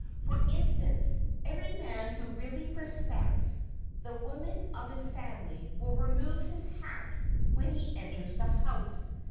For instance, every man who really respects the women of his family will remove his hat when he enters the house.